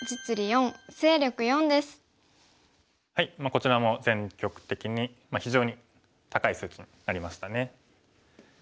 こちらも全局的に非常に高い数値になりましたね。